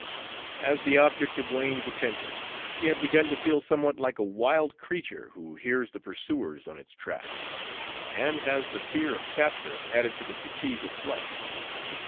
As the object of Wain's attentions, she had begun to feel somewhat like a wild creature who hears the pursuers on its track, and has the fear of capture added to the fatigue of flight.